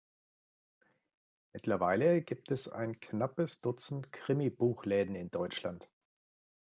Mittlerweile gibt es ein knappes Dutzend Krimi-Buchläden in Deutschland.